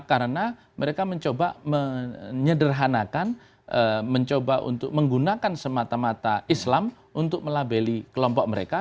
karena mereka mencoba menyederhanakan mencoba untuk menggunakan semata mata islam untuk melabeli kelompok mereka